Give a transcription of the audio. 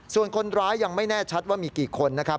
ส่วนคนร้ายยังไม่แน่ชัดว่ามีกี่คนนะครับ